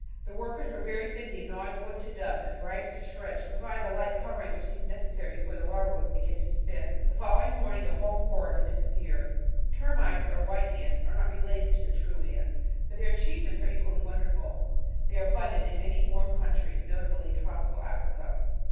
The workers were very busy gnawing wood to dust, and rags to shreds, to provide the light covering which seemed necessary before the larvae would begin to spin. The following morning the whole horde had disap peared. Termites or "White Ants" are not related to the true Ants, but their achievements are equally wonderful. They are abun dant in many warm countries, notably tropical Africa.